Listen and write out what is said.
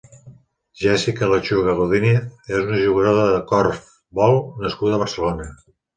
Jéssica Lechuga Godínez és una jugadora de corfbol nascuda a Barcelona.